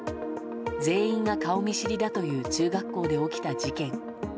全員が顔見知りだという中学校で起きた事件。